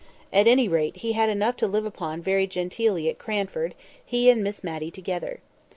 At any rate, he had enough to live upon "very genteelly" at Cranford; he and Miss Matty together.